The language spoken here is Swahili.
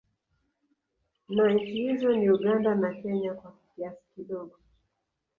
Na Nchi hizo ni Uganda na Kenya kwa kiasi kidogo